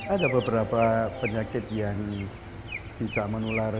ada beberapa penyakit yang bisa menular